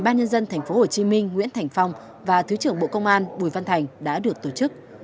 ban nhân dân tp hcm nguyễn thành phong và thứ trưởng bộ công an bùi văn thành đã được tổ chức